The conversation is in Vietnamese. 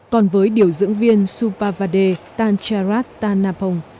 còn với điều dưỡng viên subhavade tancharat tanapong